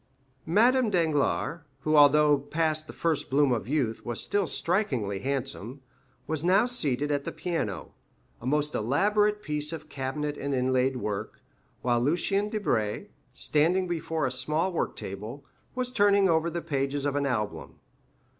Madame Danglars (who, although past the first bloom of youth, was still strikingly handsome) was now seated at the piano, a most elaborate piece of cabinet and inlaid work, while Lucien Debray, standing before a small work table, was turning over the pages of an album.